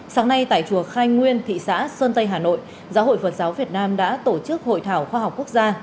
sáng nay tại chùa khai nguyên thị xã sơn tây hà nội giáo hội phật giáo việt nam đã tổ chức hội thảo khoa học quốc gia